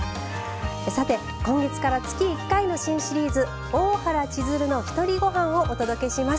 さて今月から月１回の新シリーズ「大原千鶴のひとりごはん」をお届けします。